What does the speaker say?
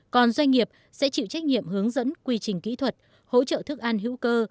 còn doanh nghiệp sẽ chịu trách nhiệm hướng dẫn quy trình kỹ thuật hỗ trợ thức ăn hữu cơ